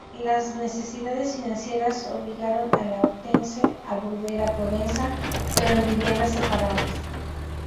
Las necesidades financieras obligaron a Hortense a volver a Provenza pero en viviendas separadas.